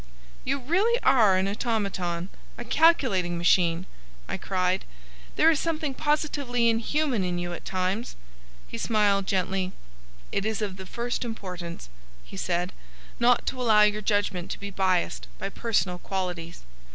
"You really are an automaton,—a calculating machine!" I cried. "There is something positively inhuman in you at times." He smiled gently. "It is of the first importance," he said, "not to allow your judgment to be biased by personal qualities.